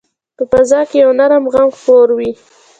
په فضا کې یو نرم غم خپور وي